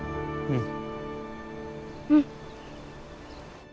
うん。